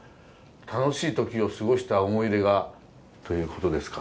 楽しい時を過した想い出が」ということですか。